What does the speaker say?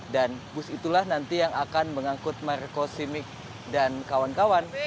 dan bus itulah nanti yang akan mengangkut marco simic dan kawan kawan